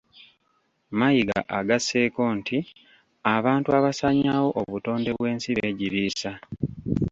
Mayiga agasseeko nti abantu abasaanyaawo obutonde bw'ensi beegiriisa